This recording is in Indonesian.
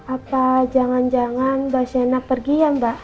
apa jangan jangan mbak shena pergi ya mbak